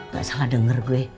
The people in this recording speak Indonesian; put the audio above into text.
gak salah denger gue